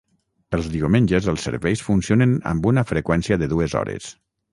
Els diumenges, els serveis funcionen amb una freqüència de dues hores.